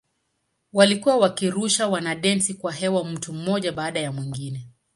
Walikuwa wakiwarusha wanadensi kwa hewa mtu mmoja baada ya mwingine.